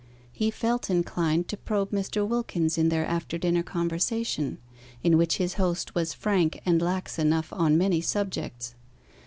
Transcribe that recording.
He felt inclined to probe Mr. Wilkins in their after dinner conversation, in which his host was frank and lax enough on many subjects.